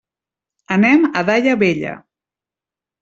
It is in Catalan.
Anem a Daia Vella.